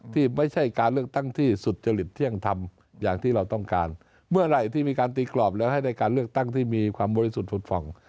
ที่ไม่ใช่การเลือกตั้งที่สุจริตเที่ยงธรรมอย่างที่เราต้องการเมื่อไหร่ที่มีการตีกรอบแล้วให้ได้การเลือกตั้งที่มีความบริสุทธิ์สุดฝั่ง